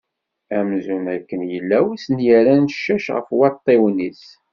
Amzun akken yella win s-yerran ccac ɣef waṭṭiwen-is.